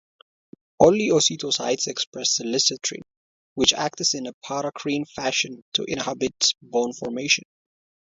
Only osteocytes express sclerostin, which acts in a paracrine fashion to inhibit bone formation.